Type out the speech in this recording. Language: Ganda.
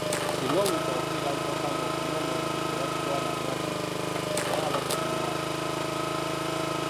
Singa omuntu akulira mu maka ng'okunywa omwenge tebakitwala ng'ekivve naye aba tagulinaako buzibu.